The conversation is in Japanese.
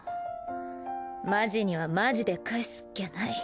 マジにはマジで返すっきゃない。